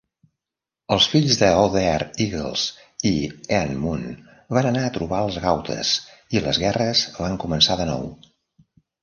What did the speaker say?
Els fills d'Ohthere Eagils i Eanmund van anar a trobar els gautes i les guerres van començar de nou.